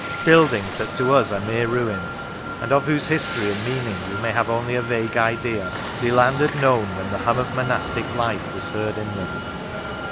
Buildings that to us are mere ruins, and of whose history and meaning we may have only a vague idea, Leland had known when the hum of monastic life was heard in them.